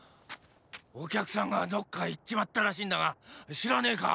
「お客さん」がどっか行っちまったらしいんだが知らねェか？